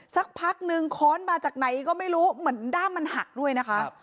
สักพักนึงค้อนมาจากไหนก็ไม่รู้เหมือนด้ามมันหักด้วยนะคะ